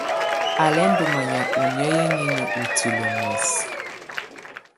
Á lɛ́ ndɔ́ manyá ɔ́ nɛ̀áyɛ niinyǝ́ ú tilǝ́ muɛsɛ.